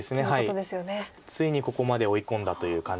ついにここまで追い込んだという感じです